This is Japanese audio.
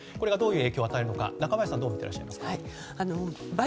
これがどういう影響を与えるのか中林さん、どう見ていますか？